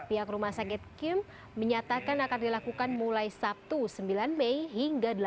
pihak rumah sakit kim menyatakan akan dilakukan mulai sabtu sembilan mei hingga delapan belas